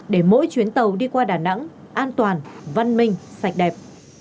để mỗi chuyến tàu đi qua đà nẵng an toàn văn minh sạch đẹp